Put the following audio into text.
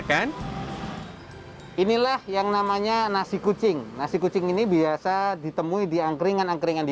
kan inilah yang namanya nasi kucing nasi kucing ini biasa ditemui di angkringan angkringan di